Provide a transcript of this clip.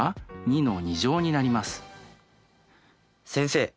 先生。